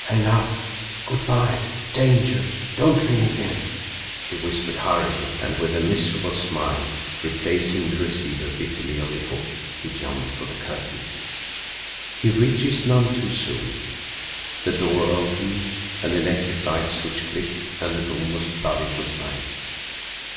"Hang up! Good bye! Danger! Don't ring again!" he whispered hurriedly, and, with a miserable smile, replacing the receiver bitterly on the hook, he jumped for the curtain. He reached it none too soon. The door opened, an electric light switch clicked, and the room was flooded with light.